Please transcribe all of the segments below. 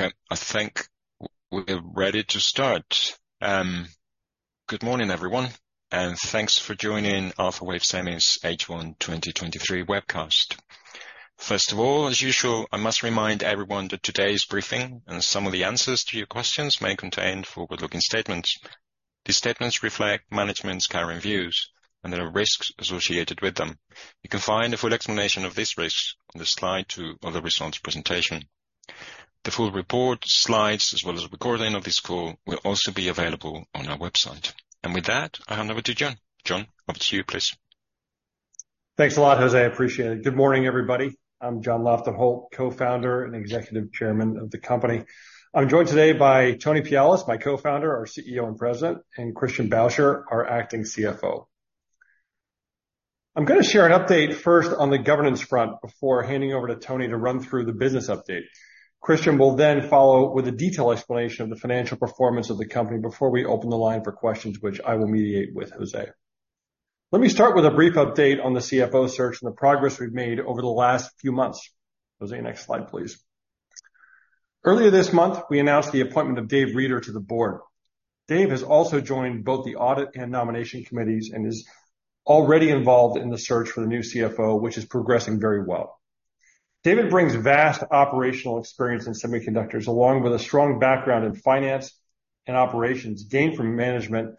Okay, I think we're ready to start. Good morning, everyone, and thanks for joining Alphawave Semi's H1 2023 webcast. First of all, as usual, I must remind everyone that today's briefing and some of the answers to your questions may contain forward-looking statements. These statements reflect management's current views, and there are risks associated with them. You can find a full explanattion of this risk on the slide two of the results presentation. The full report, slides, as well as a recording of this call, will also be available on our website. And with that, I hand over to John. John, over to you, please. Thanks a lot, Jose. I appreciate it. Good morning, everybody. I'm John Lofton Holt, co-founder and Executive Chairman of the company. I'm joined today by Tony Pialis, my co-founder, our CEO and President, and Christian Bowsher, our Acting CFO. I'm gonna share an update first on the governance front before handing over to Tony to run through the business update. Christian will then follow with a detailed explanation of the financial performance of the company before we open the line for questions, which I will mediate with Jose. Let me start with a brief update on the CFO search and the progress we've made over the last few months. Jose, next slide, please. Earlier this month, we announced the appointment of Dave Reeder to the board. Dave has also joined both the audit and nomination committees and is already involved in the search for the new CFO, which is progressing very well. David brings vast operational experience in semiconductors, along with a strong background in finance and operations gained from management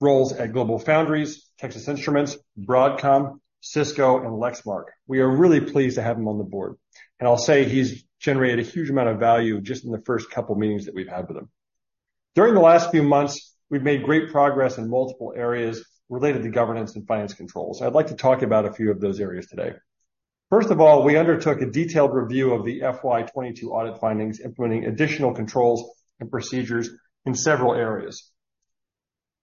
roles at GlobalFoundries, Texas Instruments, Broadcom, Cisco, and Lexmark. We are really pleased to have him on the board, and I'll say he's generated a huge amount of value just in the first couple of meetings that we've had with him. During the last few months, we've made great progress in multiple areas related to governance and finance controls. I'd like to talk about a few of those areas today. First of all, we undertook a detailed review of the FY 2022 audit findings, implementing additional controls and procedures in several areas.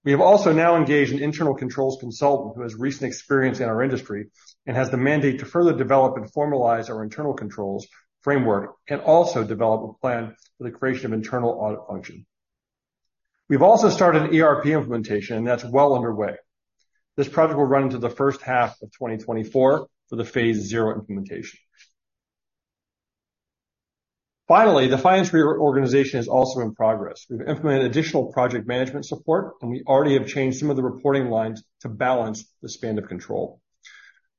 We have also now engaged an internal controls consultant who has recent experience in our industry and has the mandate to further develop and formalize our internal controls framework, and also develop a plan for the creation of internal audit function. We've also started an ERP implementation, and that's well underway. This project will run into the first half of 2024 for the phase zero implementation. Finally, the finance reorganization is also in progress. We've implemented additional project management support, and we already have changed some of the reporting lines to balance the span of control.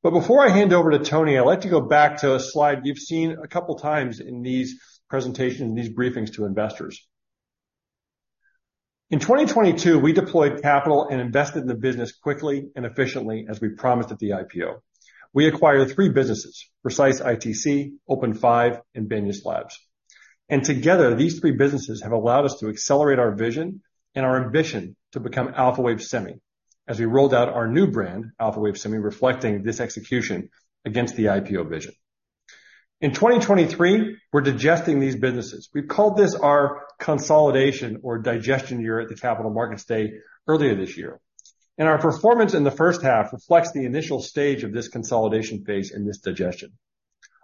But before I hand over to Tony, I'd like to go back to a slide you've seen a couple of times in these presentations, these briefings to investors. In 2022, we deployed capital and invested in the business quickly and efficiently, as we promised at the IPO. We acquired three businesses, Precise-ITC, OpenFive, and Banias Labs. And together, these three businesses have allowed us to accelerate our vision and our ambition to become Alphawave Semi, as we rolled out our new brand, Alphawave Semi, reflecting this execution against the IPO vision. In 2023, we're digesting these businesses. We've called this our consolidation or digestion year at the Capital Markets Day earlier this year, and our performance in the first half reflects the initial stage of this consolidation phase and this digestion.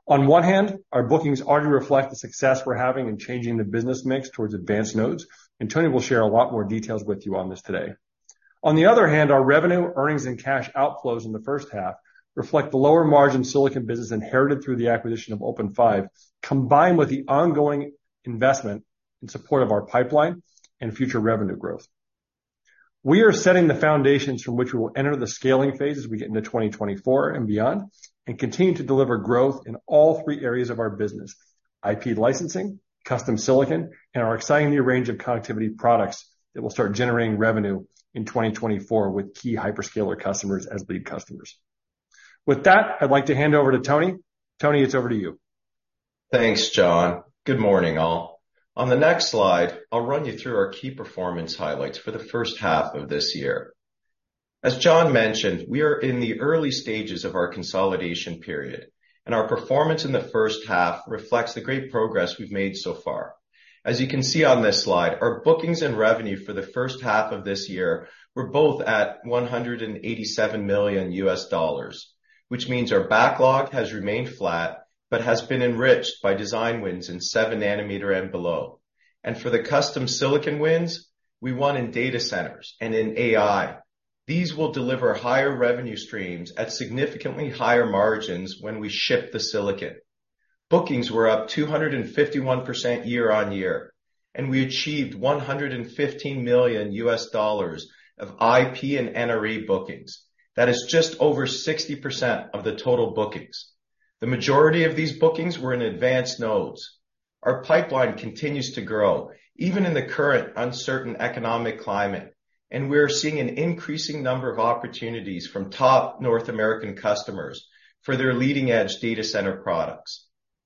On one hand, our bookings already reflect the success we're having in changing the business mix towards advanced nodes, and Tony will share a lot more details with you on this today. On the other hand, our revenue, earnings, and cash outflows in the first half reflect the lower margin silicon business inherited through the acquisition of OpenFive, combined with the ongoing investment in support of our pipeline and future revenue growth. We are setting the foundations from which we will enter the scaling phase as we get into 2024 and beyond, and continue to deliver growth in all three areas of our business: IP licensing, custom silicon, and our exciting new range of connectivity products that will start generating revenue in 2024 with key hyperscaler customers as lead customers. With that, I'd like to hand over to Tony. Tony, it's over to you. Thanks, John. Good morning, all. On the next slide, I'll run you through our key performance highlights for the first half of this year. As John mentioned, we are in the early stages of our consolidation period, and our performance in the first half reflects the great progress we've made so far. As you can see on this slide, our bookings and revenue for the first half of this year were both at $187 million, which means our backlog has remained flat but has been enriched by design wins in 7nm and below. For the custom silicon wins, we won in data centers and in AI. These will deliver higher revenue streams at significantly higher margins when we ship the silicon. Bookings were up 251% year-over-year, and we achieved $115 million of IP and NRE bookings. That is just over 60% of the total bookings. The majority of these bookings were in advanced nodes. Our pipeline continues to grow, even in the current uncertain economic climate, and we are seeing an increasing number of opportunities from top North American customers for their leading-edge data center products.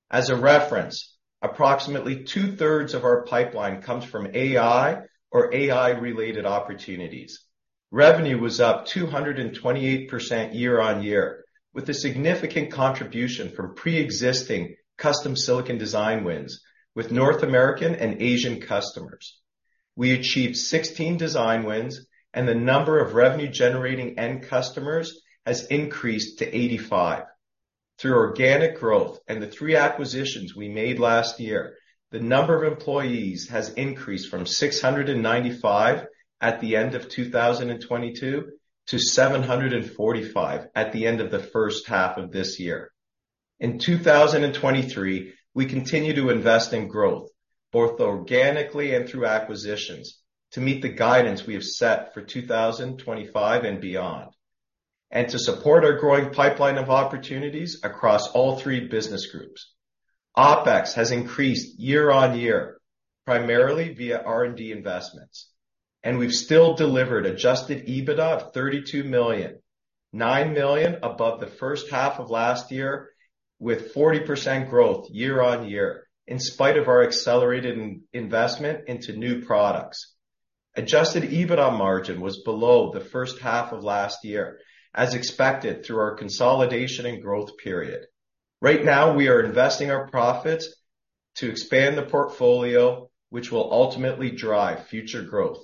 As a reference, approximately two-thirds of our pipeline comes from AI or AI-related opportunities. Revenue was up 228% year-over-year, with a significant contribution from pre-existing custom silicon design wins with North American and Asian customers. We achieved 16 design wins, and the number of revenue-generating end customers has increased to 85. Through organic growth and the three acquisitions we made last year, the number of employees has increased from 695 at the end of 2022, to 745 at the end of the first half of this year. In 2023, we continue to invest in growth, both organically and through acquisitions, to meet the guidance we have set for 2025 and beyond, and to support our growing pipeline of opportunities across all three business groups. OpEx has increased year-on-year, primarily via R&D investments, and we've still delivered adjusted EBITDA of $32 million, $9 million above the first half of last year, with 40% growth year-on-year, in spite of our accelerated investment into new products. Adjusted EBITDA margin was below the first half of last year, as expected through our consolidation and growth period. Right now, we are investing our profits to expand the portfolio, which will ultimately drive future growth.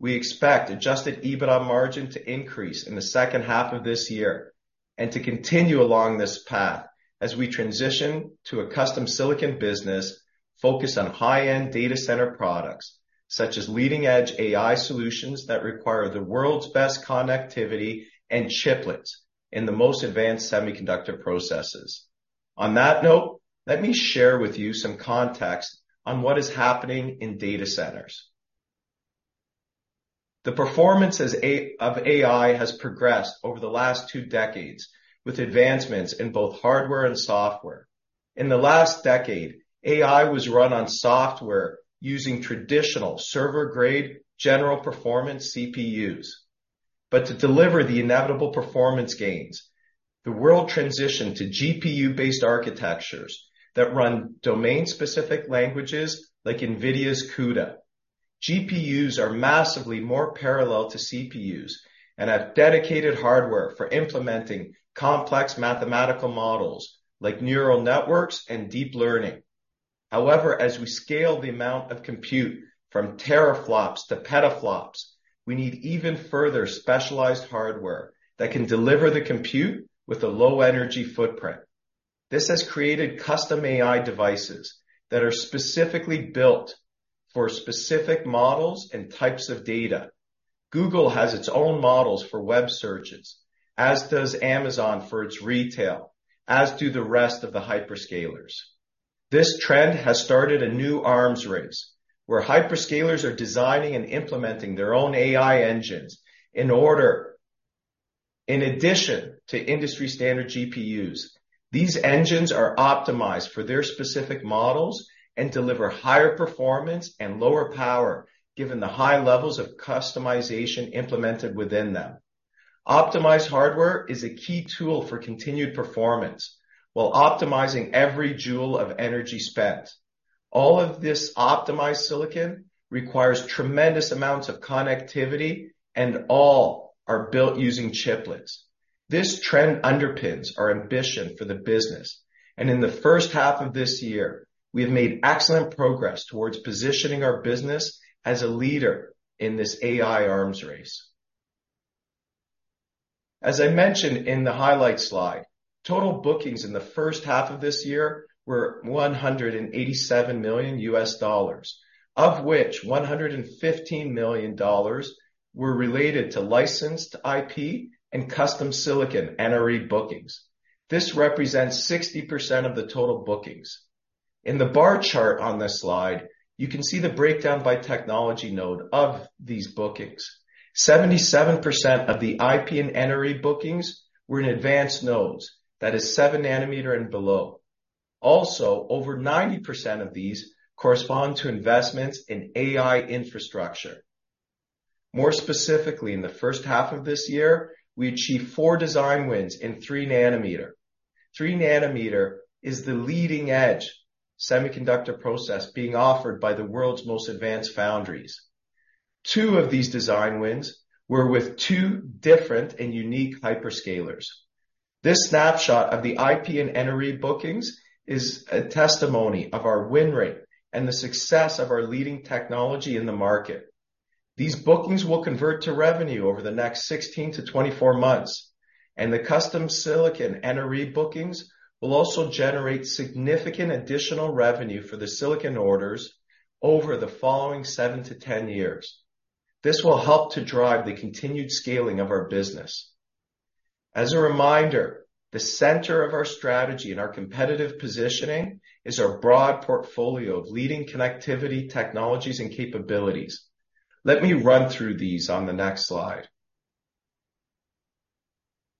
We expect adjusted EBITDA margin to increase in the second half of this year, and to continue along this path as we transition to a custom silicon business focused on high-end data center products, such as leading-edge AI solutions that require the world's best connectivity and chiplets in the most advanced semiconductor processes. On that note, let me share with you some context on what is happening in data centers. The performance of AI has progressed over the last two decades, with advancements in both hardware and software. In the last decade, AI was run on software using traditional server-grade general performance CPUs. But to deliver the inevitable performance gains, the world transitioned to GPU-based architectures that run domain-specific languages like NVIDIA's CUDA. GPUs are massively more parallel to CPUs and have dedicated hardware for implementing complex mathematical models like neural networks and deep learning. However, as we scale the amount of compute from teraflops to petaflops, we need even further specialized hardware that can deliver the compute with a low energy footprint. This has created custom AI devices that are specifically built for specific models and types of data. Google has its own models for web searches, as does Amazon for its retail, as do the rest of the hyperscalers. This trend has started a new arms race, where hyperscalers are designing and implementing their own AI engines in order, in addition to industry-standard GPUs. These engines are optimized for their specific models and deliver higher performance and lower power, given the high levels of customization implemented within them. Optimized hardware is a key tool for continued performance while optimizing every joule of energy spent. All of this optimized silicon requires tremendous amounts of connectivity, and all are built using chiplets. This trend underpins our ambition for the business, and in the first half of this year, we have made excellent progress towards positioning our business as a leader in this AI arms race. As I mentioned in the highlight slide, total bookings in the first half of this year were $187 million, of which $115 million were related to licensed IP and custom silicon NRE bookings. This represents 60% of the total bookings. In the bar chart on this slide, you can see the breakdown by technology node of these bookings. 77% of the IP and NRE bookings were in advanced nodes. That is 7 nm and below. Also, over 90% of these correspond to investments in AI infrastructure. More specifically, in the first half of this year, we achieved four design wins in 3 nm. 3 nm is the leading-edge semiconductor process being offered by the world's most advanced foundries. Two of these design wins were with two different and unique hyperscalers. This snapshot of the IP and NRE bookings is a testimony of our win rate and the success of our leading technology in the market. These bookings will convert to revenue over the next 16-24 months, and the custom silicon NRE bookings will also generate significant additional revenue for the silicon orders over the following seven-10 years. This will help to drive the continued scaling of our business. As a reminder, the center of our strategy and our competitive positioning is our broad portfolio of leading connectivity, technologies, and capabilities. Let me run through these on the next slide.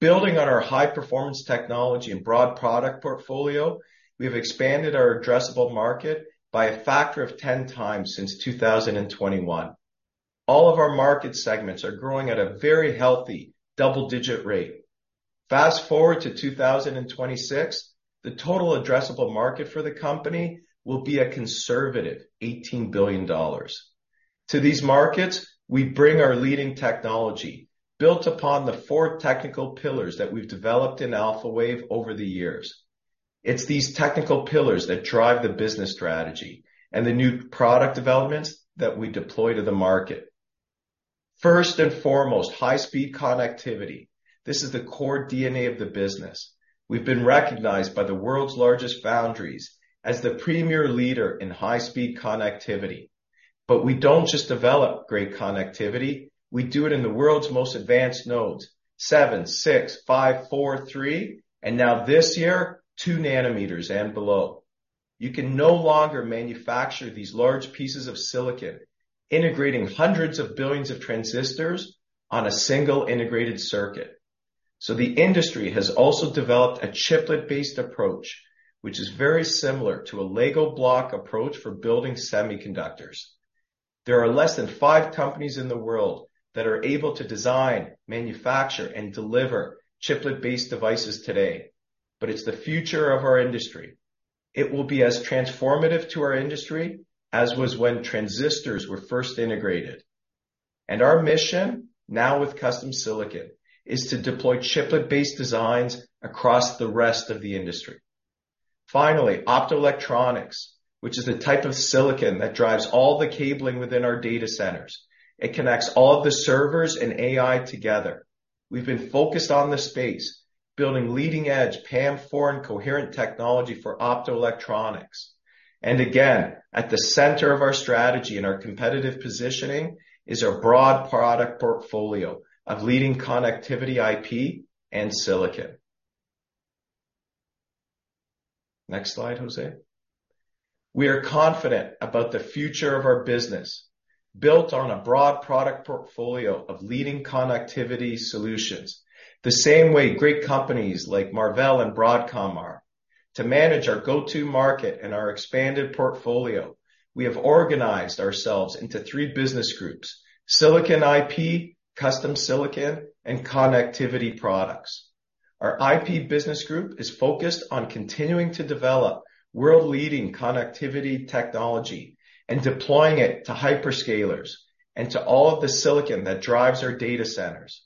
Building on our high-performance technology and broad product portfolio, we have expanded our addressable market by a factor of 10x since 2021. All of our market segments are growing at a very healthy double-digit rate. Fast-forward to 2026, the total addressable market for the company will be a conservative $18 billion. To these markets, we bring our leading technology, built upon the four technical pillars that we've developed in Alphawave over the years. It's these technical pillars that drive the business strategy and the new product developments that we deploy to the market.... First and foremost, high speed connectivity. This is the core DNA of the business. We've been recognized by the world's largest foundries as the premier leader in high speed connectivity. But we don't just develop great connectivity, we do it in the world's most advanced nodes: 7, 6, 5, 4, 3, and now this year, 2 nms and below. You can no longer manufacture these large pieces of silicon, integrating hundreds of billions of transistors on a single integrated circuit. So the industry has also developed a chiplet-based approach, which is very similar to a Lego block approach for building semiconductors. There are less than five companies in the world that are able to design, manufacture, and deliver chiplet-based devices today, but it's the future of our industry. It will be as transformative to our industry as was when transistors were first integrated. Our mission, now with custom silicon, is to deploy chiplet-based designs across the rest of the industry. Finally, optoelectronics, which is the type of silicon that drives all the cabling within our data centers. It connects all of the servers and AI together. We've been focused on this space, building leading-edge PAM4 and coherent technology for optoelectronics. Again, at the center of our strategy and our competitive positioning is our broad product portfolio of leading connectivity, IP, and silicon. Next slide, José. We are confident about the future of our business, built on a broad product portfolio of leading connectivity solutions, the same way great companies like Marvell and Broadcom are. To manage our go-to market and our expanded portfolio, we have organized ourselves into three business groups: silicon IP, custom silicon, and connectivity products. Our IP business group is focused on continuing to develop world-leading connectivity technology and deploying it to hyperscalers and to all of the silicon that drives our data centers.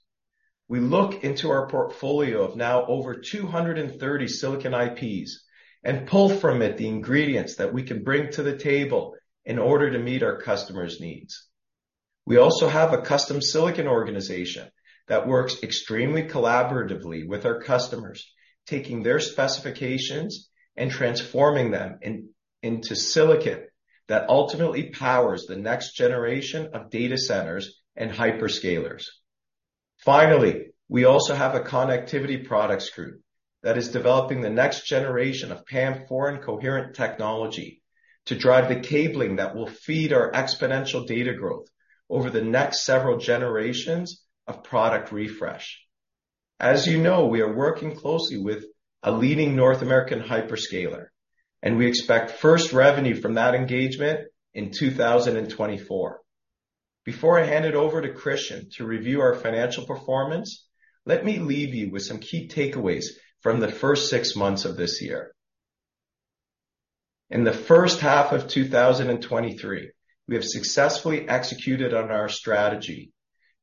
We look into our portfolio of now over 230 silicon IPs, and pull from it the ingredients that we can bring to the table in order to meet our customers' needs. We also have a custom silicon organization that works extremely collaboratively with our customers, taking their specifications and transforming them into silicon that ultimately powers the next generation of data centers and hyperscalers. Finally, we also have a connectivity products group that is developing the next generation of PAM4 and coherent technology to drive the cabling that will feed our exponential data growth over the next several generations of product refresh. As you know, we are working closely with a leading North American hyperscaler, and we expect first revenue from that engagement in 2024. Before I hand it over to Christian to review our financial performance, let me leave you with some key takeaways from the first six months of this year. In the first half of 2023, we have successfully executed on our strategy,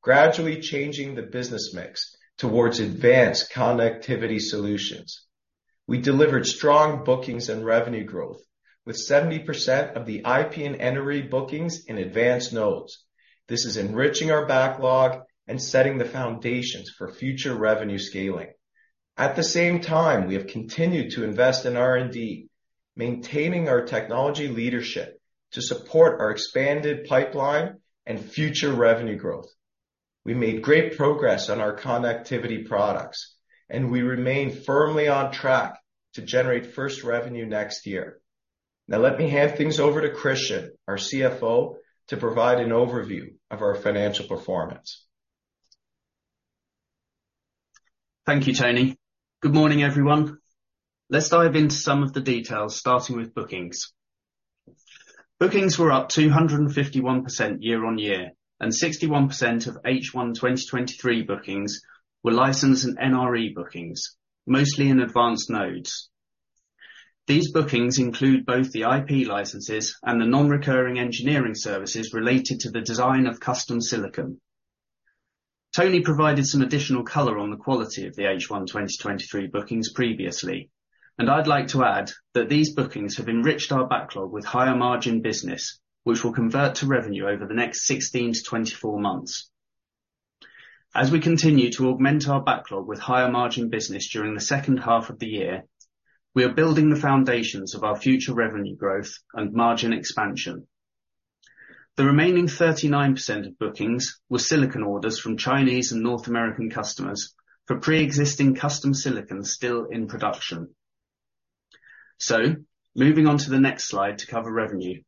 gradually changing the business mix towards advanced connectivity solutions. We delivered strong bookings and revenue growth, with 70% of the IP and NRE bookings in advanced nodes. This is enriching our backlog and setting the foundations for future revenue scaling. At the same time, we have continued to invest in R&D, maintaining our technology leadership to support our expanded pipeline and future revenue growth. We made great progress on our connectivity products, and we remain firmly on track to generate first revenue next year. Now, let me hand things over to Christian, our CFO, to provide an overview of our financial performance. Thank you, Tony. Good morning, everyone. Let's dive into some of the details, starting with bookings. Bookings were up 251% year-on-year, and 61% of H1 2023 bookings were licensed in NRE bookings, mostly in advanced nodes. These bookings include both the IP licenses and the non-recurring engineering services related to the design of custom silicon. Tony provided some additional color on the quality of the H1 2023 bookings previously, and I'd like to add that these bookings have enriched our backlog with higher margin business, which will convert to revenue over the next 16-24 months. As we continue to augment our backlog with higher margin business during the second half of the year, we are building the foundations of our future revenue growth and margin expansion. The remaining 39% of bookings were silicon orders from Chinese and North American customers for pre-existing custom silicon still in production. So moving on to the next slide to cover revenue.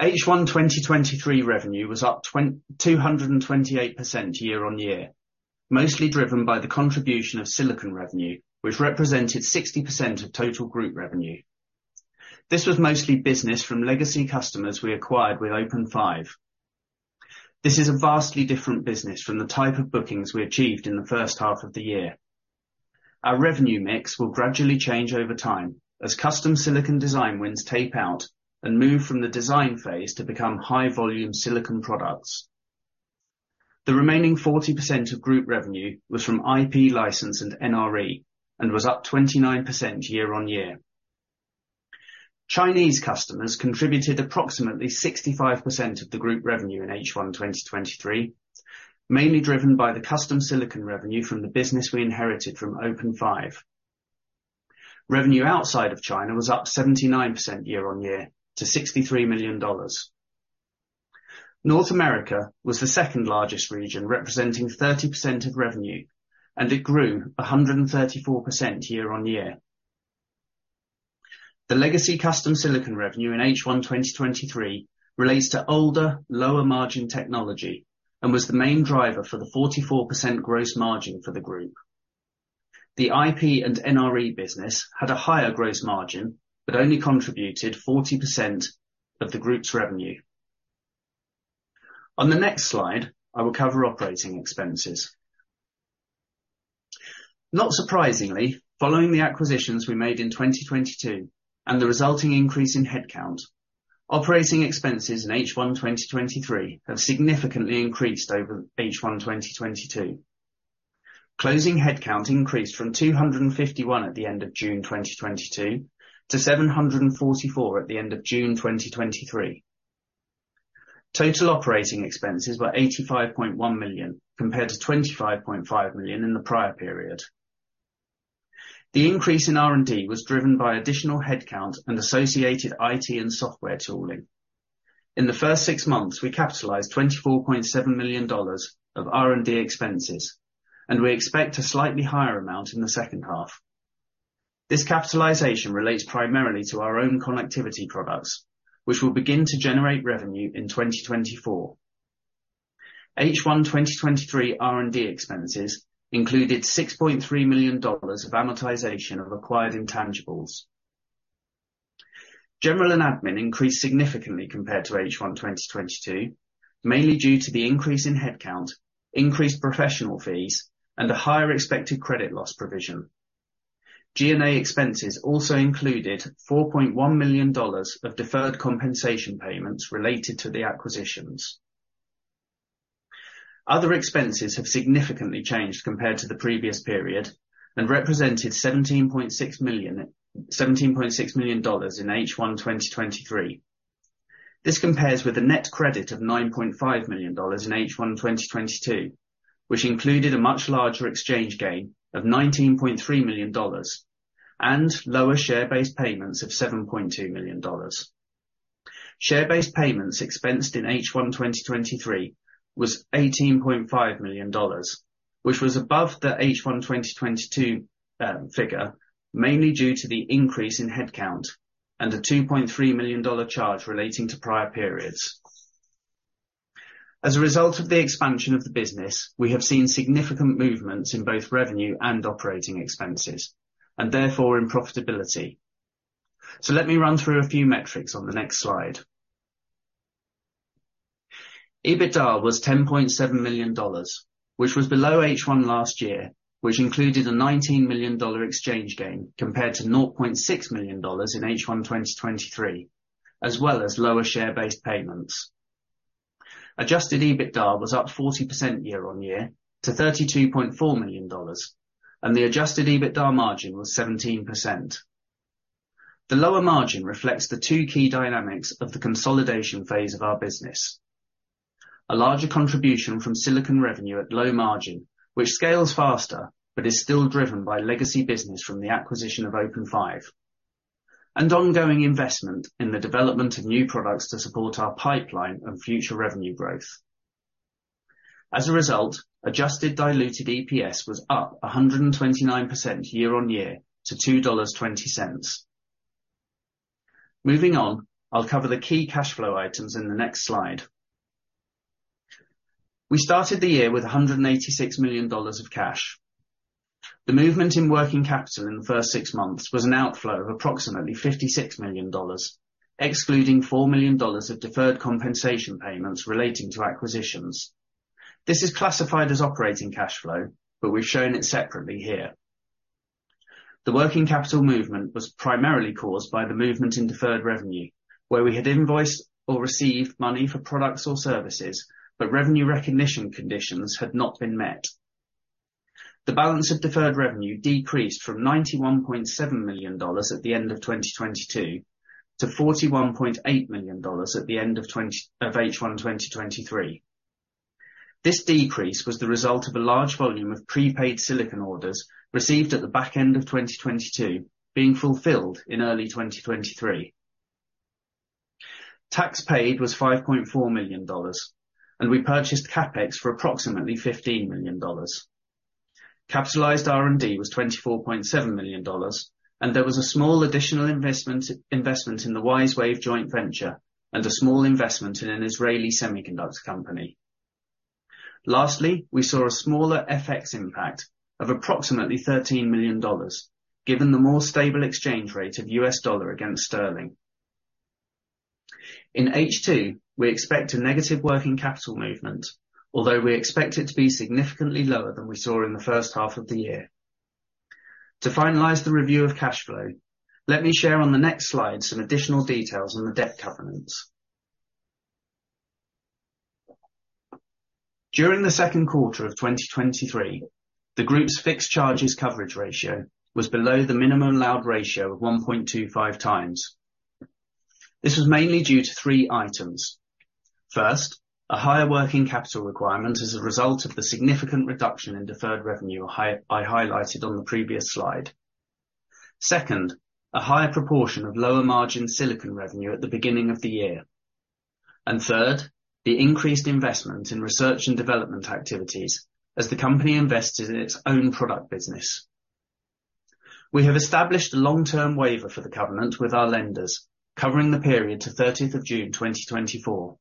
H1 2023 revenue was up 228% year-on-year, mostly driven by the contribution of silicon revenue, which represented 60% of total group revenue. This was mostly business from legacy customers we acquired with OpenFive. This is a vastly different business from the type of bookings we achieved in the first half of the year. Our revenue mix will gradually change over time as custom silicon design wins tape out and move from the design phase to become high-volume silicon products. The remaining 40% of group revenue was from IP license and NRE, and was up 29% year-on-year.... Chinese customers contributed approximately 65% of the group revenue in H1 2023, mainly driven by the custom silicon revenue from the business we inherited from OpenFive. Revenue outside of China was up 79% year-on-year to $63 million. North America was the second largest region, representing 30% of revenue, and it grew 134% year-on-year. The legacy custom silicon revenue in H1 2023 relates to older, lower margin technology, and was the main driver for the 44% gross margin for the group. The IP and NRE business had a higher gross margin, but only contributed 40% of the group's revenue. On the next slide, I will cover operating expenses. Not surprisingly, following the acquisitions we made in 2022, and the resulting increase in headcount, operating expenses in H1 2023 have significantly increased over H1 2022. Closing headcount increased from 251 at the end of June 2022, to 744 at the end of June 2023. Total operating expenses were $85.1 million, compared to $25.5 million in the prior period. The increase in R&D was driven by additional headcount and associated IT and software tooling. In the first six months, we capitalized $24.7 million of R&D expenses, and we expect a slightly higher amount in the second half. This capitalization relates primarily to our own connectivity products, which will begin to generate revenue in 2024. H1 2023 R&D expenses included $6.3 million of amortization of acquired intangibles. General and admin increased significantly compared to H1 2022, mainly due to the increase in headcount, increased professional fees, and a higher expected credit loss provision. G&A expenses also included $4.1 million of deferred compensation payments related to the acquisitions. Other expenses have significantly changed compared to the previous period, and represented $17.6 million, $17.6 million in H1 2023. This compares with a net credit of $9.5 million in H1 2022, which included a much larger exchange gain of $19.3 million, and lower share-based payments of $7.2 million. Share-based payments expensed in H1 2023 was $18.5 million, which was above the H1 2022 figure, mainly due to the increase in headcount and a $2.3 million charge relating to prior periods. As a result of the expansion of the business, we have seen significant movements in both revenue and operating expenses, and therefore in profitability. Let me run through a few metrics on the next slide. EBITDA was $10.7 million, which was below H1 last year, which included a $19 million exchange gain, compared to $0.6 million in H1 2023, as well as lower share-based payments. Adjusted EBITDA was up 40% year-on-year to $32.4 million, and the adjusted EBITDA margin was 17%. The lower margin reflects the two key dynamics of the consolidation phase of our business. A larger contribution from silicon revenue at low margin, which scales faster, but is still driven by legacy business from the acquisition of OpenFive, and ongoing investment in the development of new products to support our pipeline and future revenue growth. As a result, adjusted diluted EPS was up 129% year-on-year to $2.20. Moving on, I'll cover the key cash flow items in the next slide. We started the year with $186 million of cash. The movement in working capital in the first six months was an outflow of approximately $56 million, excluding $4 million of deferred compensation payments relating to acquisitions. This is classified as operating cash flow, but we've shown it separately here. The working capital movement was primarily caused by the movement in deferred revenue, where we had invoiced or received money for products or services, but revenue recognition conditions had not been met. The balance of deferred revenue decreased from $91.7 million at the end of 2022, to $41.8 million at the end of H1 2023. This decrease was the result of a large volume of prepaid silicon orders received at the back end of 2022, being fulfilled in early 2023. Tax paid was $5.4 million, and we purchased CapEx for approximately $15 million. Capitalized R&D was $24.7 million, and there was a small additional investment, investment in the WiseWave joint venture, and a small investment in an Israeli semiconductor company. Lastly, we saw a smaller FX impact of approximately $13 million, given the more stable exchange rate of US dollar against sterling. In H2, we expect a negative working capital movement, although we expect it to be significantly lower than we saw in the first half of the year. To finalize the review of cash flow, let me share on the next slide some additional details on the debt covenants. During the second quarter of 2023, the group's fixed charges coverage ratio was below the minimum allowed ratio of 1.25 times. This was mainly due to three items. First, a higher working capital requirement as a result of the significant reduction in deferred revenue high-- I highlighted on the previous slide. Second, a higher proportion of lower margin silicon revenue at the beginning of the year. And third, the increased investment in research and development activities as the company invested in its own product business. We have established a long-term waiver for the covenant with our lenders, covering the period to 30th of June, 2024.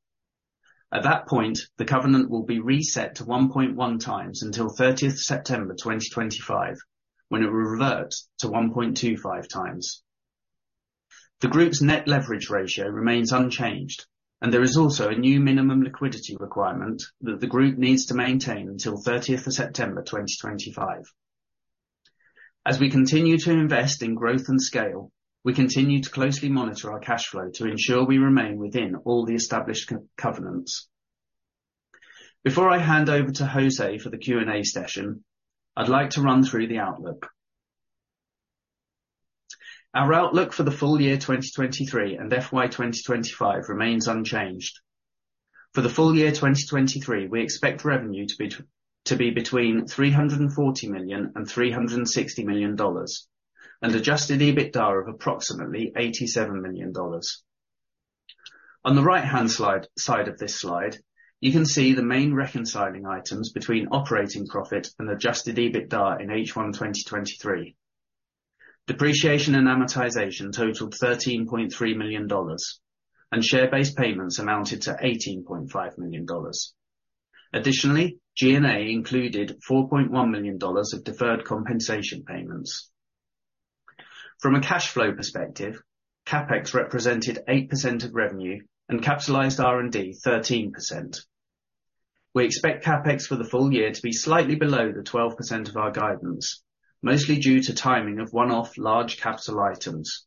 At that point, the covenant will be reset to 1.1x until 30th September, 2025, when it will revert to 1.25x. The group's net leverage ratio remains unchanged, and there is also a new minimum liquidity requirement that the group needs to maintain until 30th of September, 2025. As we continue to invest in growth and scale, we continue to closely monitor our cashflow to ensure we remain within all the established covenants. Before I hand over to José for the Q&A session, I'd like to run through the outlook. Our outlook for the full year, 2023 and FY 2025 remains unchanged. For the full year 2023, we expect revenue to be, to be between $340 million-$360 million, and adjusted EBITDA of approximately $87 million. On the right-hand side of this slide, you can see the main reconciling items between operating profit and adjusted EBITDA in H1 2023. Depreciation and amortization totaled $13.3 million, and share-based payments amounted to $18.5 million. Additionally, G&A included $4.1 million of deferred compensation payments. From a cash flow perspective, CapEx represented 8% of revenue and capitalized R&D, 13%. We expect CapEx for the full year to be slightly below the 12% of our guidance, mostly due to timing of one-off large capital items.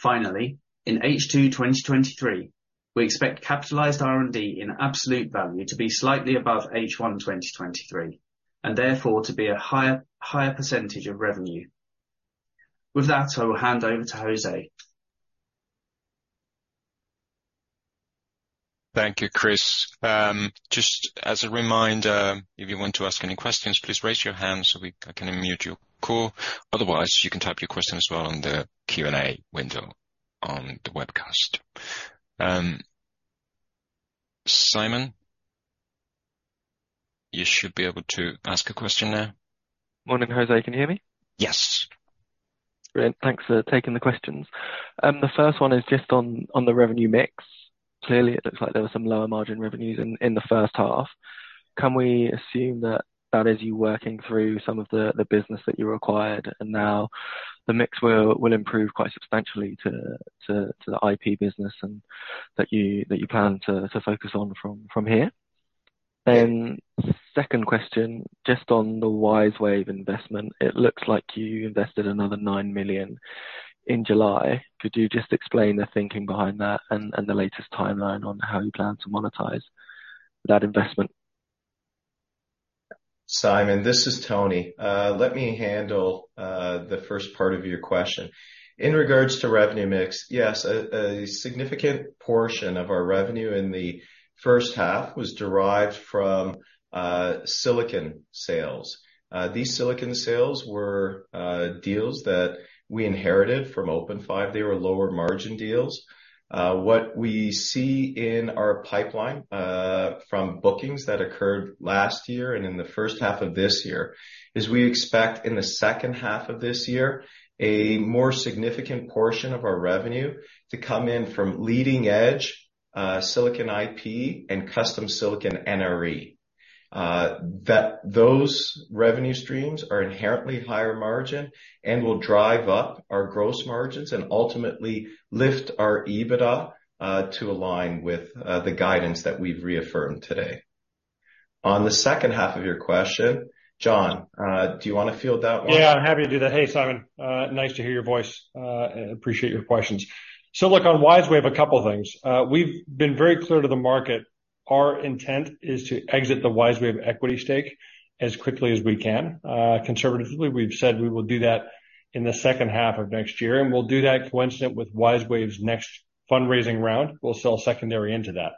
Finally, in H2 2023, we expect capitalized R&D in absolute value to be slightly above H1 2023, and therefore to be a higher, higher percentage of revenue. With that, I will hand over to Jose. Thank you, Chris. Just as a reminder, if you want to ask any questions, please raise your hand so I can unmute your call. Otherwise, you can type your question as well in the Q&A window on the webcast. Simon, you should be able to ask a question now. Morning, Jose, can you hear me? Yes. Great. Thanks for taking the questions. The first one is just on, on the revenue mix. Clearly, it looks like there were some lower margin revenues in, in the first half. Can we assume that that is you working through some of the, the business that you acquired, and now the mix will, will improve quite substantially to, to, to the IP business and that you, that you plan to, to focus on from, from here? Then second question, just on the WiseWave investment. It looks like you invested another $9 million in July. Could you just explain the thinking behind that and, and the latest timeline on how you plan to monetize that investment? Simon, this is Tony. Let me handle the first part of your question. In regards to revenue mix, yes, a significant portion of our revenue in the first half was derived from silicon sales. These silicon sales were deals that we inherited from OpenFive. They were lower margin deals. What we see in our pipeline from bookings that occurred last year and in the first half of this year is we expect in the second half of this year a more significant portion of our revenue to come in from leading edge silicon IP and custom silicon NRE. Those revenue streams are inherently higher margin and will drive up our gross margins and ultimately lift our EBITDA to align with the guidance that we've reaffirmed today. On the second half of your question, John, do you wanna field that one? Yeah, I'm happy to do that. Hey, Simon, nice to hear your voice. I appreciate your questions. So look, on WiseWave, a couple of things. We've been very clear to the market, our intent is to exit the WiseWave equity stake as quickly as we can. Conservatively, we've said we will do that in the second half of next year, and we'll do that coincident with WiseWave's next fundraising round. We'll sell secondary into that.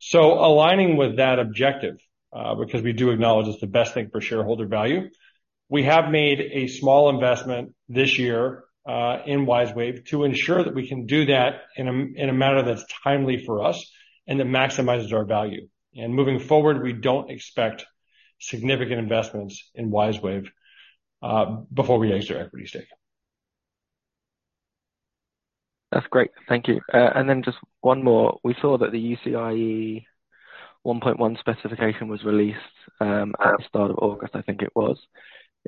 So aligning with that objective, because we do acknowledge it's the best thing for shareholder value, we have made a small investment this year, in WiseWave to ensure that we can do that in a manner that's timely for us and that maximizes our value. And moving forward, we don't expect significant investments in WiseWave, before we exit our equity stake. That's great. Thank you. And then just one more. We saw that the UCIe 1.1 specification was released at the start of August, I think it was.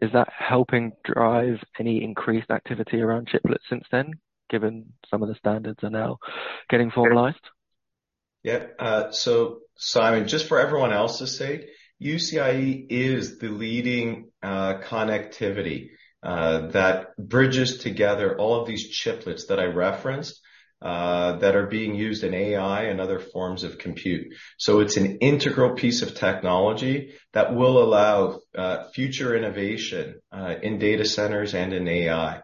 Is that helping drive any increased activity around chiplet since then, given some of the standards are now getting formalized? Yeah, so Simon, just for everyone else to say, UCIe is the leading connectivity that bridges together all of these chiplets that I referenced that are being used in AI and other forms of compute. So it's an integral piece of technology that will allow future innovation in data centers and in AI.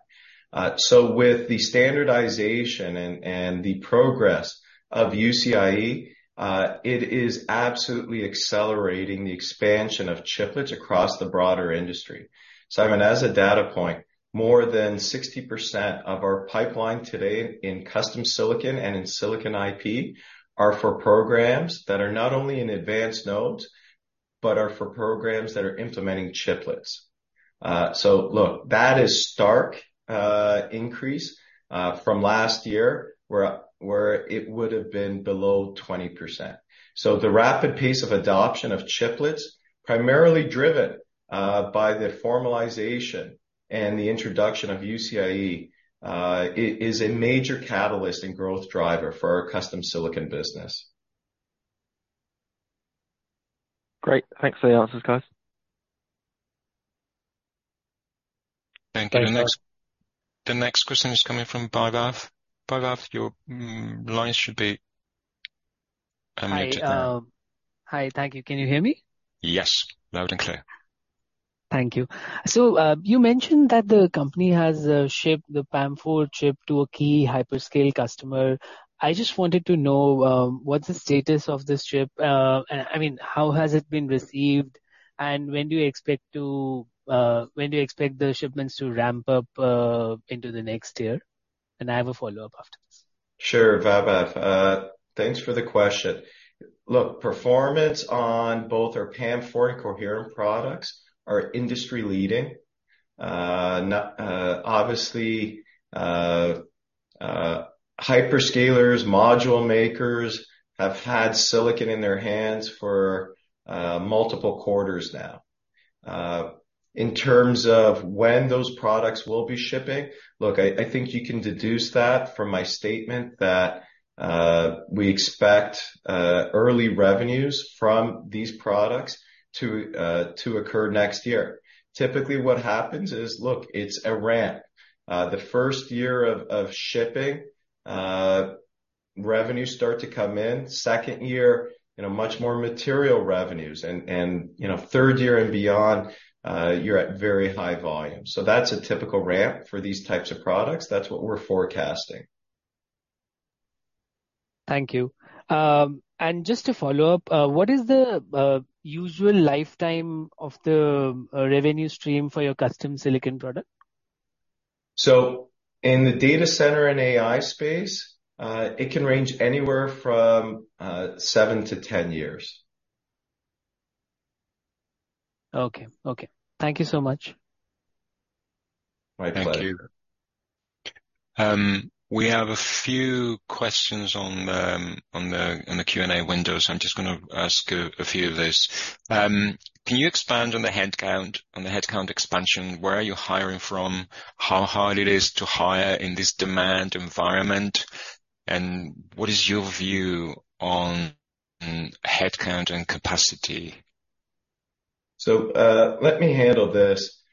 So with the standardization and the progress of UCIe, it is absolutely accelerating the expansion of chiplets across the broader industry. Simon, as a data point, more than 60% of our pipeline today in custom silicon and in silicon IP are for programs that are not only in advanced nodes, but are for programs that are implementing chiplets. So look, that is stark increase from last year, where it would have been below 20%. So the rapid pace of adoption of chiplets, primarily driven by the formalization and the introduction of UCIe, is a major catalyst and growth driver for our custom silicon business. Great. Thanks for the answers, guys. Thank you. The next, the next question is coming from Vaibhav. Vaibhav, your line should be unmuted now. Hi. Hi, thank you. Can you hear me? Yes, loud and clear. Thank you. So, you mentioned that the company has shipped the PAM4 chip to a key hyperscale customer. I just wanted to know, what's the status of this chip, and, I mean, how has it been received, and when do you expect the shipments to ramp up, into the next year? And I have a follow-up after this. Sure, Vaibhav. Thanks for the question. Look, performance on both our PAM4 and coherent products are industry-leading. Obviously, hyperscalers, module makers have had silicon in their hands for multiple quarters now. In terms of when those products will be shipping, look, I think you can deduce that from my statement that we expect early revenues from these products to occur next year. Typically, what happens is, look, it's a ramp. The first year of shipping, revenues start to come in. Second year, you know, much more material revenues and, you know, third year and beyond, you're at very high volume. That's a typical ramp for these types of products. That's what we're forecasting. Thank you. Just to follow up, what is the usual lifetime of the revenue stream for your custom silicon product? In the data center and AI space, it can range anywhere from 7-10 years. Okay. Okay. Thank you so much. My pleasure. Thank you. We have a few questions on the Q&A window, so I'm just gonna ask a few of those. Can you expand on the headcount, on the headcount expansion? Where are you hiring from? How hard it is to hire in this demand environment? And what is your view on headcount and capacity? So, let me handle this.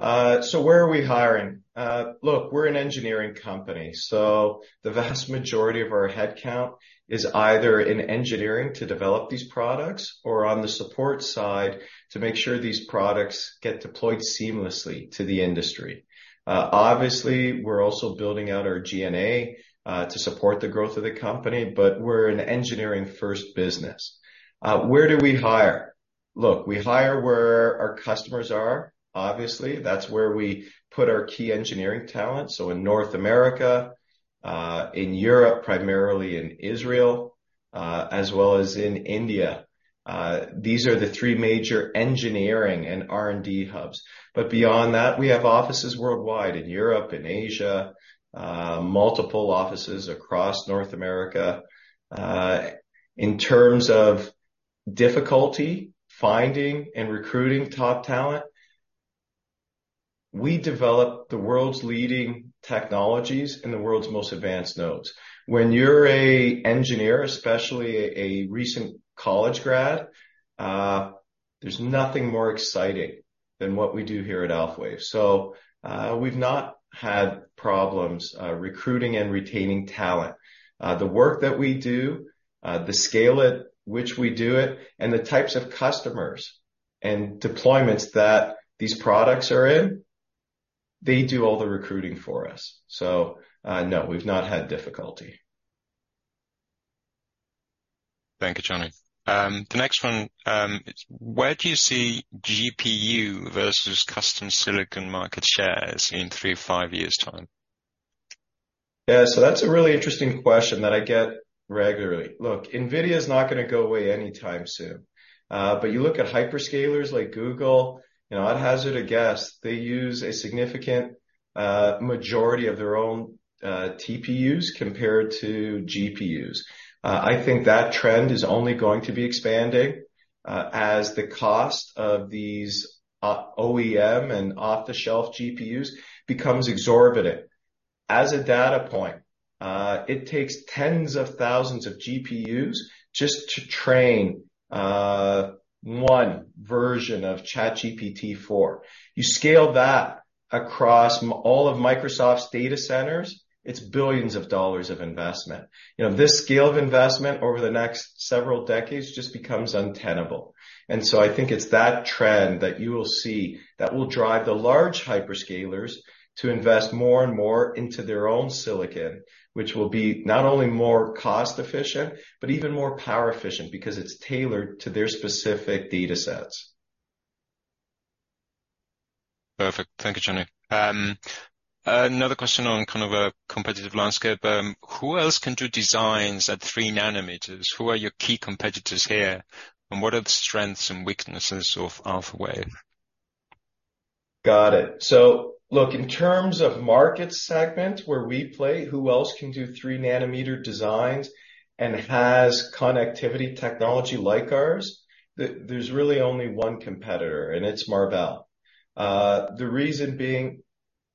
So where are we hiring? Look, we're an engineering company, so the vast majority of our headcount is either in engineering to develop these products or on the support side to make sure these products get deployed seamlessly to the industry. Obviously, we're also building out our GNA to support the growth of the company, but we're an engineering-first business. Where do we hire? Look, we hire where our customers are. Obviously, that's where we put our key engineering talent. So in North America, in Europe, primarily in Israel, as well as in India. These are the three major engineering and R&D hubs. But beyond that, we have offices worldwide, in Europe, in Asia, multiple offices across North America. In terms of difficulty, finding and recruiting top talent, we develop the world's leading technologies in the world's most advanced nodes. When you're a engineer, especially a, a recent college grad, there's nothing more exciting than what we do here at Alphawave. So, we've not had problems, recruiting and retaining talent. The work that we do, the scale at which we do it, and the types of customers and deployments that these products are in, they do all the recruiting for us. So, no, we've not had difficulty. Thank you, Tony. The next one, where do you see GPU versus custom silicon market shares in three to five years' time? Yeah. That's a really interesting question that I get regularly. Look, NVIDIA's not gonna go away anytime soon, but you look at hyperscalers like Google, you know, at hazard or guess, they use a significant, majority of their own, TPUs compared to GPUs. I think that trend is only going to be expanding, as the cost of these, OEM and off-the-shelf GPUs becomes exorbitant. As a data point, it takes tens of thousands of GPUs just to train, one version of ChatGPT-4. You scale that across all of Microsoft's data centers, it's billions of dollars of investment. You know, this scale of investment over the next several decades just becomes untenable. I think it's that trend that you will see that will drive the large hyperscalers to invest more and more into their own silicon, which will be not only more cost-efficient, but even more power-efficient because it's tailored to their specific datasets. Perfect. Thank you, Tony. Another question on kind of a competitive landscape. Who else can do designs at three nms? Who are your key competitors here, and what are the strengths and weaknesses of Alphawave? Got it. So look, in terms of market segment where we play, who else can do 3-nm designs and has connectivity technology like ours? There's really only one competitor, and it's Marvell. The reason being,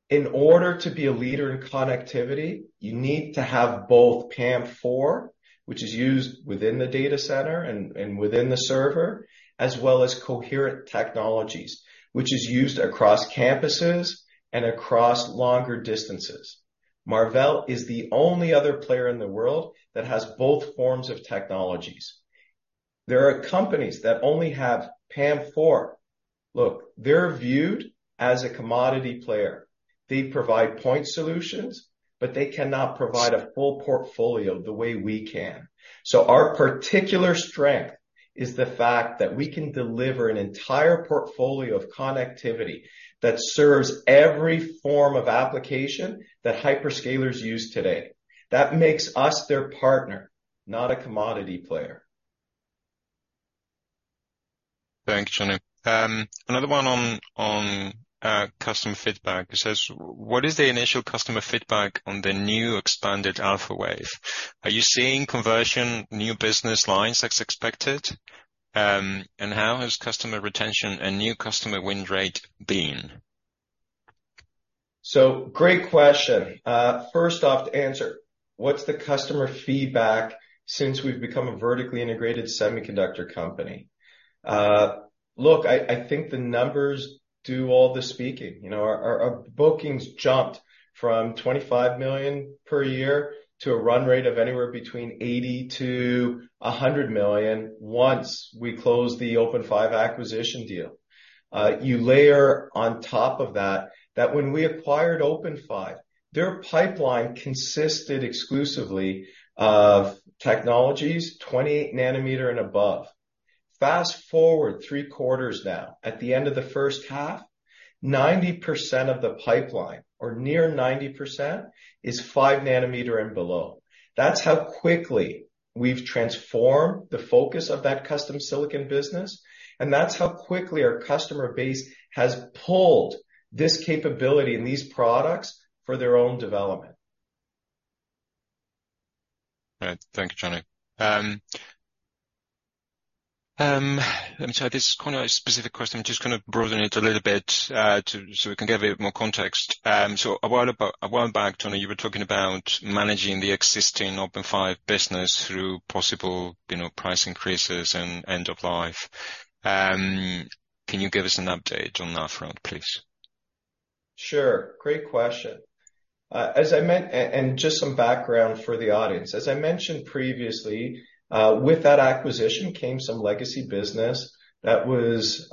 in order to be a leader in connectivity, you need to have both PAM-4, which is used within the data center and within the server, as well as coherent technologies, which is used across campuses and across longer distances. Marvell is the only other player in the world that has both forms of technologies. There are companies that only have PAM-4. Look, they're viewed as a commodity player. They provide point solutions, but they cannot provide a full portfolio the way we can. So our particular strength is the fact that we can deliver an entire portfolio of connectivity that serves every form of application that hyperscalers use today. That makes us their partner, not a commodity player. Thank you, Tony. Another one on customer feedback. It says, "What is the initial customer feedback on the new expanded Alphawave? Are you seeing conversion new business lines as expected? And how has customer retention and new customer win rate been? So great question. First off, to answer, what's the customer feedback since we've become a vertically integrated semiconductor company? Look, I think the numbers do all the speaking. You know, our bookings jumped from $25 million per year to a run rate of anywhere between $80 million-$100 million once we closed the OpenFive acquisition deal. You layer on top of that, that when we acquired OpenFive, their pipeline consisted exclusively of technologies 28 nm and above. Fast-forward 3 quarters now, at the end of the first half, 90% of the pipeline or near 90% is 5 nm and below. That's how quickly we've transformed the focus of that custom silicon business, and that's how quickly our customer base has pulled this capability and these products for their own development. All right. Thank you, Tony. Let me try. This is quite a specific question. I'm just gonna broaden it a little bit to-- so we can get a bit more context. A while back, Tony, you were talking about managing the existing OpenFive business through possible, you know, price increases and end of life. Can you give us an update on that front, please? Sure. Great question. Just some background for the audience. As I mentioned previously, with that acquisition came some legacy business that was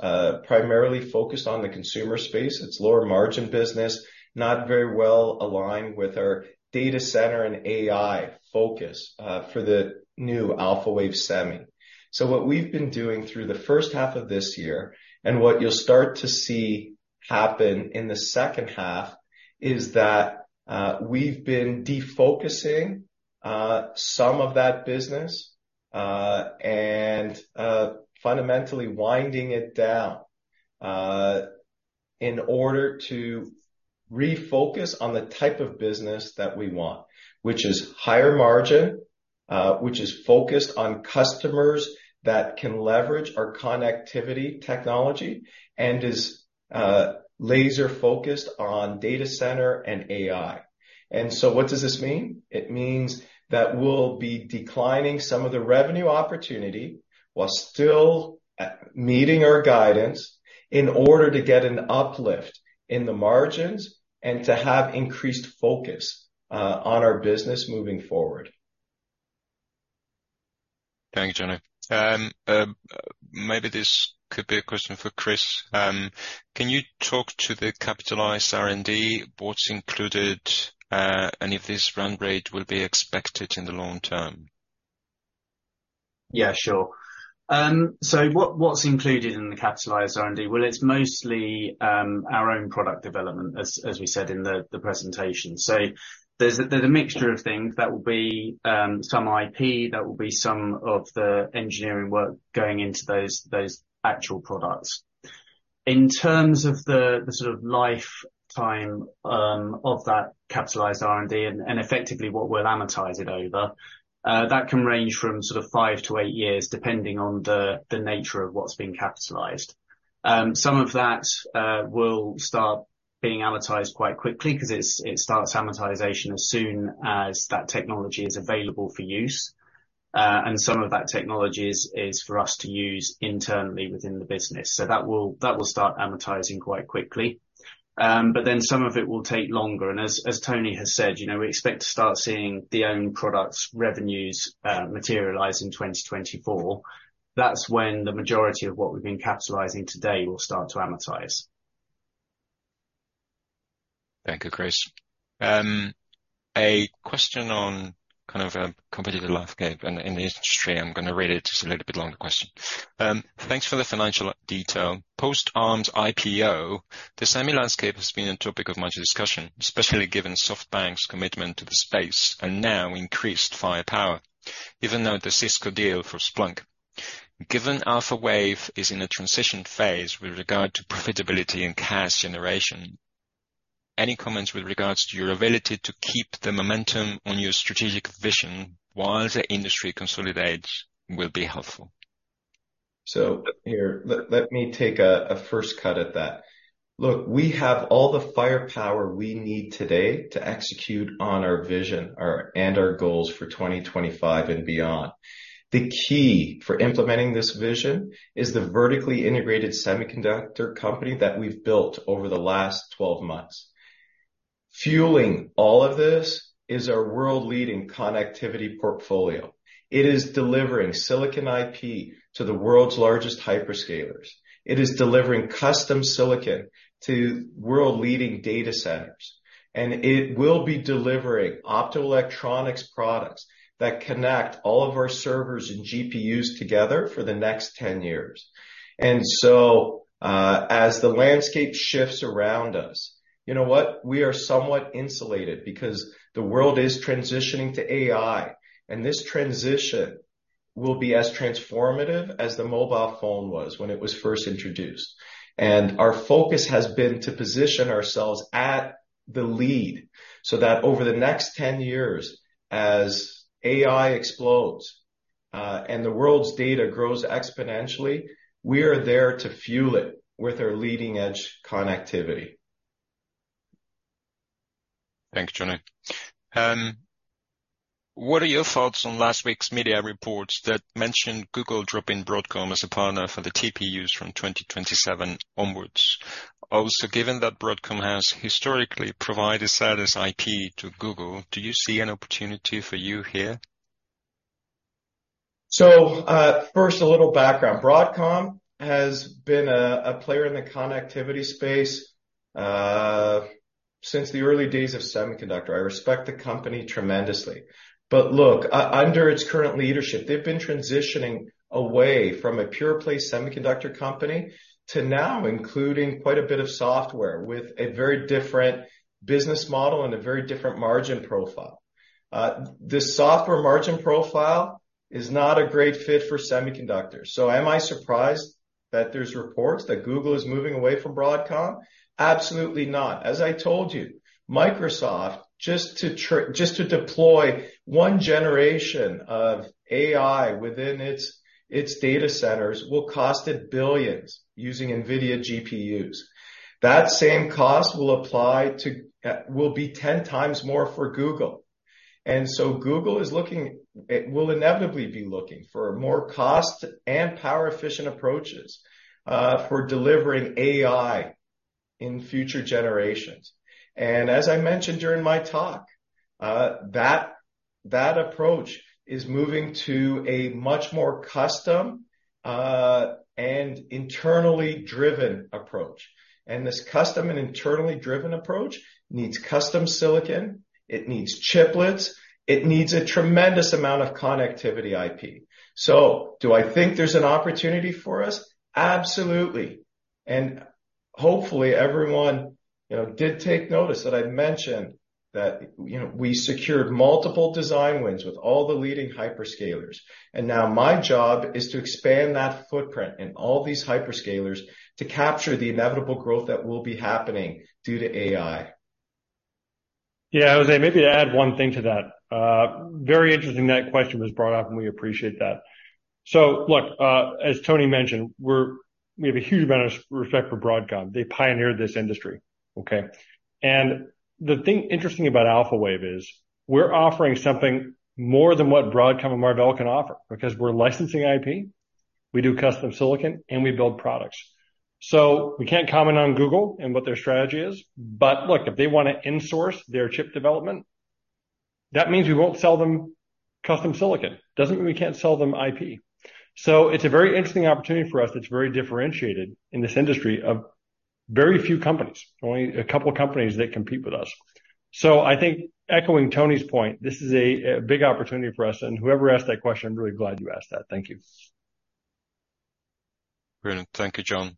primarily focused on the consumer space. It's lower margin business, not very well aligned with our data center and AI focus for the new Alphawave Semi. So what we've been doing through the first half of this year, and what you'll start to see happen in the second half, is that we've been defocusing some of that business and fundamentally winding it down in order to refocus on the type of business that we want, which is higher margin, which is focused on customers that can leverage our connectivity technology and is laser-focused on data center and AI. And so what does this mean? It means that we'll be declining some of the revenue opportunity while still, meeting our guidance in order to get an uplift in the margins and to have increased focus, on our business moving forward. Thank you, Tony. Maybe this could be a question for Chris. Can you talk to the capitalized R&D, what's included, and if this run rate will be expected in the long term? Yeah, sure. What's included in the capitalized R&D? Well, it's mostly our own product development, as we said in the presentation. There's a mixture of things that will be some IP, that will be some of the engineering work going into those actual products. In terms of the sort of lifetime of that capitalized R&D and effectively what we'll amortize it over, that can range from five-eight years, depending on the nature of what's been capitalized. Some of that will start-... being amortized quite quickly, 'cause it starts amortization as soon as that technology is available for use. Some of that technology is, is for us to use internally within the business. That will, that will start amortizing quite quickly. You know, we expect to start seeing the own products revenues materialize in 2024. That's when the majority of what we've been capitalizing today will start to amortize. Thank you, Chris. A question on kind of a competitive landscape in the industry. I'm gonna read it. It's a little bit longer question. Thanks for the financial detail. Post Arm's IPO, the semi landscape has been a topic of much discussion, especially given SoftBank's commitment to the space and now increased firepower, even though the Cisco deal for Splunk. Given Alphawave is in a transition phase with regard to profitability and cash generation, any comments with regards to your ability to keep the momentum on your strategic vision while the industry consolidates will be helpful. Let me take a first cut at that. Look, we have all the firepower we need today to execute on our vision, our-- and our goals for 2025 and beyond. The key for implementing this vision is the vertically integrated semiconductor company that we've built over the last 12 months. Fueling all of this is our world-leading connectivity portfolio. It is delivering silicon IP to the world's largest hyperscalers. It is delivering custom silicon to world-leading data centers, and it will be delivering optoelectronics products that connect all of our servers and GPUs together for the next 10 years. As the landscape shifts around us, you know what? We are somewhat insulated because the world is transitioning to AI, and this transition will be as transformative as the mobile phone was when it was first introduced. Our focus has been to position ourselves at the lead, so that over the next 10 years, as AI explodes, and the world's data grows exponentially, we are there to fuel it with our leading-edge connectivity. Thanks, Tony. What are your thoughts on last week's media reports that mentioned Google dropping Broadcom as a partner for the TPUs from 2027 onwards? Also, given that Broadcom has historically provided SerDes IP to Google, do you see an opportunity for you here? So, first, a little background. Broadcom has been a player in the connectivity space since the early days of semiconductor. I respect the company tremendously, but look, under its current leadership, they've been transitioning away from a pure play semiconductor company, to now including quite a bit of software with a very different business model and a very different margin profile. This software margin profile is not a great fit for semiconductors. So am I surprised that there's reports that Google is moving away from Broadcom? Absolutely not. As I told you, Microsoft, just to deploy one generation of AI within its data centers, will cost it $ billions using NVIDIA GPUs. That same cost will apply to, will be 10 times more for Google. And so Google is looking, it will inevitably be looking for more cost and power-efficient approaches for delivering AI in future generations. And as I mentioned during my talk, that approach is moving to a much more custom and internally driven approach. And this custom and internally driven approach needs custom silicon, it needs chiplets, it needs a tremendous amount of connectivity IP. So do I think there's an opportunity for us? Absolutely, and hopefully everyone, you know, did take notice that I mentioned that, you know, we secured multiple design wins with all the leading hyperscalers, and now my job is to expand that footprint and all these hyperscalers to capture the inevitable growth that will be happening due to AI. Yeah, Jose, maybe to add one thing to that. Very interesting, that question was brought up, and we appreciate that. So look, as Tony mentioned, we're—we have a huge amount of respect for Broadcom. They pioneered this industry, okay? And the thing interesting about Alphawave is, we're offering something more than what Broadcom and Marvell can offer because we're licensing IP, we do custom silicon, and we build products. So we can't comment on Google and what their strategy is, but look, if they wanna insource their chip development, that means we won't sell them custom silicon. Doesn't mean we can't sell them IP. So it's a very interesting opportunity for us that's very differentiated in this industry of very few companies, only a couple of companies that compete with us. So I think echoing Tony's point, this is a big opportunity for us, and whoever asked that question, I'm really glad you asked that. Thank you. Brilliant. Thank you, John.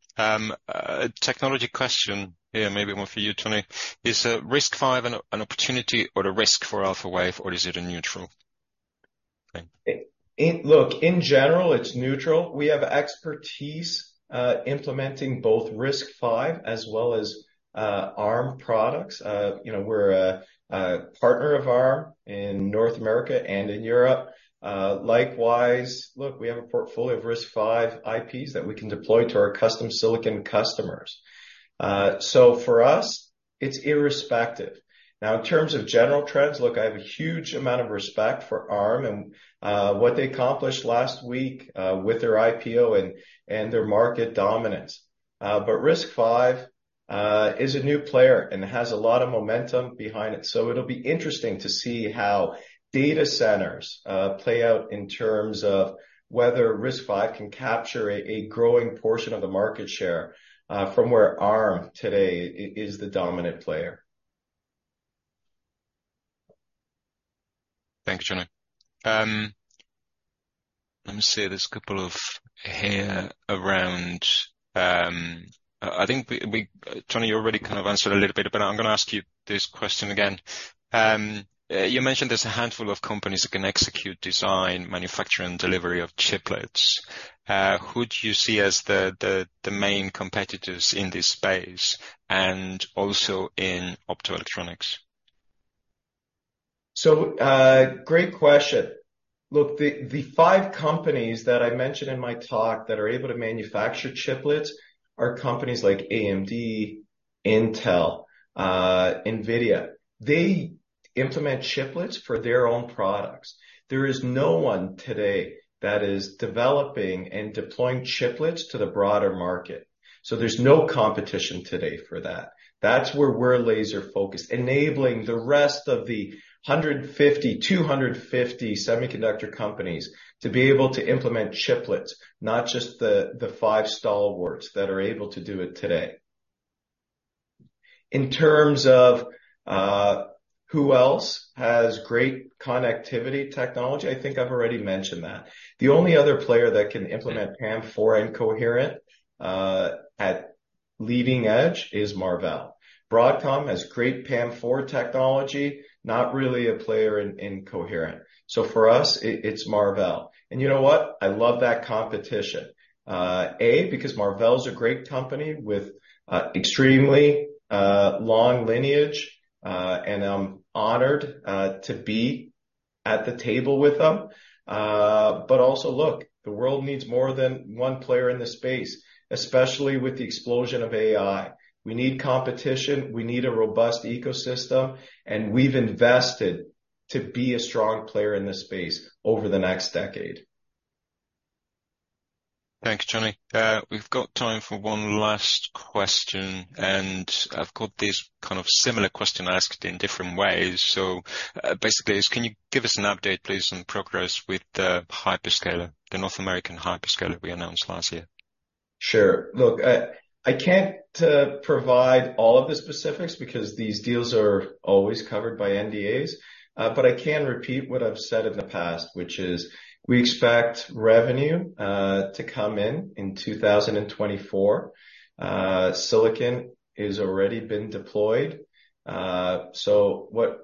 Technology question here, maybe one for you, Tony. Is RISC-V an opportunity or a risk for Alphawave, or is it a neutral? Thank you. Look, in general, it's neutral. We have expertise implementing both RISC-V as well as Arm products. You know, we're a partner of Arm in North America and in Europe. Likewise, we have a portfolio of RISC-V IPs that we can deploy to our custom silicon customers. For us, it's irrespective. Now, in terms of general trends, I have a huge amount of respect for Arm and what they accomplished last week with their IPO and their market dominance. RISC-V is a new player and has a lot of momentum behind it. It'll be interesting to see how data centers play out in terms of whether RISC-V can capture a growing portion of the market share from where Arm today is the dominant player. Thanks, Tony. Let me see, there's a couple here around, I think we, we-- Tony, you already kind of answered a little bit, but I'm gonna ask you this question again. You mentioned there's a handful of companies that can execute design, manufacturing, and delivery of chiplets. Who do you see as the main competitors in this space and also in optoelectronics? So, great question. Look, the five companies that I mentioned in my talk that are able to manufacture chiplets are companies like AMD, Intel, NVIDIA. They implement chiplets for their own products. There is no one today that is developing and deploying chiplets to the broader market, so there's no competition today for that. That's where we're laser focused, enabling the rest of the 150, 250 semiconductor companies to be able to implement chiplets, not just the five stalwarts that are able to do it today. In terms of who else has great connectivity technology, I think I've already mentioned that. The only other player that can implement PAM-4 and coherent at leading edge is Marvell. Broadcom has great PAM-4 technology, not really a player in coherent. So for us, it's Marvell. And you know what? I love that competition. A, because Marvell is a great company with, extremely, long lineage, and I'm honored, to be at the table with them. But also, look, the world needs more than one player in this space, especially with the explosion of AI. We need competition, we need a robust ecosystem, and we've invested to be a strong player in this space over the next decade. Thank you, Tony. We've got time for one last question, and I've got this kind of similar question asked in different ways. So, basically, it's, can you give us an update, please, on progress with the hyperscaler, the North American hyperscaler we announced last year? Sure. Look, I can't provide all of the specifics because these deals are always covered by NDAs, but I can repeat what I've said in the past, which is we expect revenue to come in in 2024. Silicon is already been deployed. So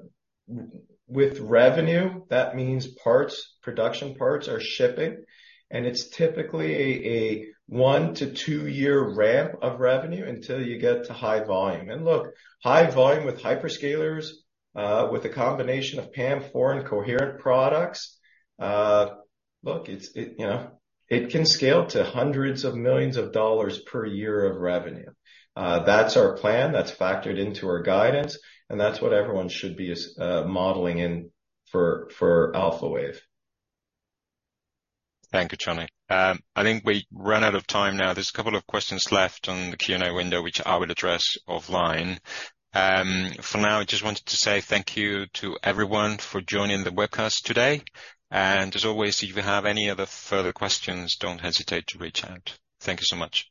with revenue, that means parts, production parts are shipping, and it's typically a one- to two-year ramp of revenue until you get to high volume. Look, high volume with hyperscalers, with a combination of PAM4 and coherent products, it can scale to hundreds of millions of dollars per year of revenue. That's our plan, that's factored into our guidance, and that's what everyone should be modeling in for Alphawave. Thank you, Tony. I think we ran out of time now. There's a couple of questions left on the Q&A window, which I will address offline. For now, I just wanted to say thank you to everyone for joining the webcast today. As always, if you have any other further questions, don't hesitate to reach out. Thank you so much.